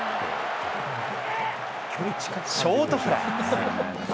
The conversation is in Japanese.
ショートフライ。